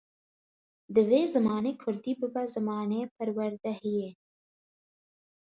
Divê zimanê Kurdî bibe zimanê perwerdehiyê.